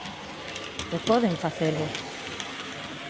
E poden facelo!